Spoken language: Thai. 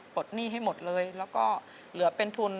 หนี้ให้หมดเลยแล้วก็เหลือเป็นทุน